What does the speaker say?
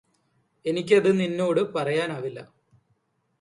എനിക്കത് നിന്നോട് പറയാനാവില്ല